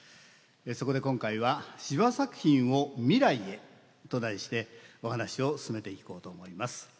そこで今回は「司馬作品を未来へ」と題してお話を進めていこうと思います。